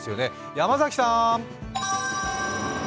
山崎さん！